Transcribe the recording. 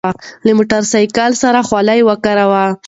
له موټر سایکل سره خولۍ وکاروئ.